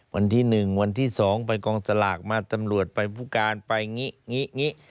วันที่๑วันที่๒ไปกองสลากมาตำรวจไปผู้การไปอย่างนี้